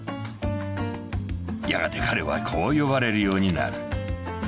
［やがて彼はこう呼ばれるようになる］